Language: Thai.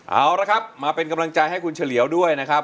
เอาละครับมาเป็นกำลังใจให้คุณเฉลียวด้วยนะครับ